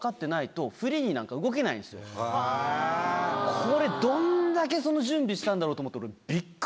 これどんだけその準備したんだろうと思って本当に。